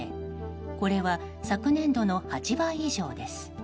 これは昨年度の８倍以上です。